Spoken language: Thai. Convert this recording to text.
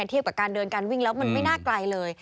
เทียบกับการเดินการวิ่งแล้วมันไม่น่าไกลเลย